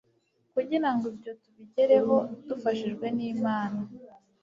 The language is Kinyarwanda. kugira ngo ibyo tubigereho dufashijwe nImana